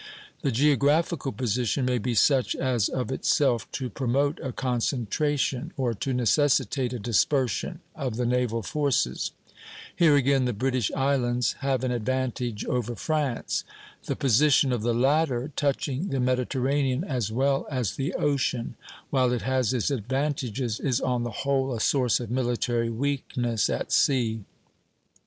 The geographical position may be such as of itself to promote a concentration, or to necessitate a dispersion, of the naval forces. Here again the British Islands have an advantage over France. The position of the latter, touching the Mediterranean as well as the ocean, while it has its advantages, is on the whole a source of military weakness at sea.